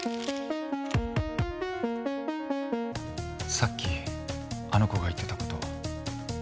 さっきあの子が言ってたこと。